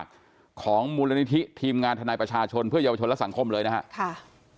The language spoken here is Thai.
ของมูลนิธิทีมงานทนายประชาชนเพื่อเยาวชนและสังคมเลยนะครับ